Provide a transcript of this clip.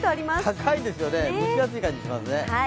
高いですよね、蒸し暑い感じしますね。